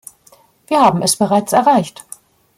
Wir haben es bereits erreicht.